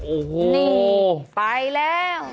โอ้โหนี่ไปแล้ว